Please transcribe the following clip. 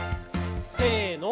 せの。